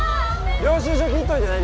領収書切っといてね